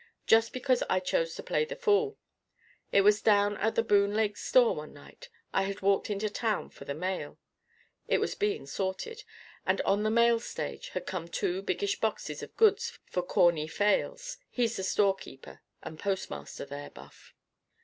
Just because I chose to play the fool. It was down at the Boone Lake store one night. I had walked into town for the mail. It was being sorted. And on the mail stage had come two biggish boxes of goods for Corney Fales. He's the storekeeper and postmaster there, Buff."